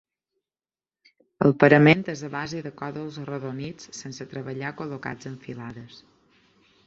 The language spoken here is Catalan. El parament és a base de còdols arrodonits sense treballar col·locats en filades.